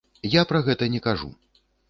Я пра гэта не кажу.